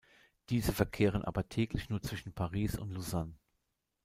Diese verkehren aber täglich nur zwischen Paris und Lausanne.